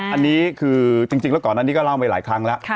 อันนี้คือจริงแล้วก่อนอันนี้ก็เล่าไปหลายครั้งแล้ว